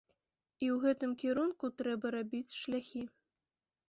І ў гэтым кірунку трэба рабіць шляхі.